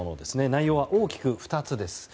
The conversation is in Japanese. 内容は大きく２つです。